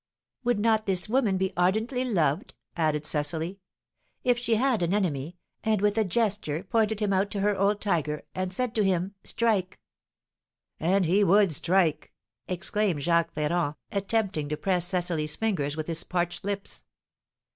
"Would not this woman be ardently loved?" added Cecily. "If she had an enemy, and with a gesture pointed him out to her old tiger, and said to him, Strike " "And he would strike!" exclaimed Jacques Ferrand, attempting to press Cecily's fingers with his parched lips.